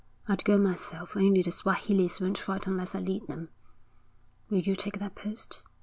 I'd go myself only the Swahilis won't fight unless I lead them.... Will you take that post?'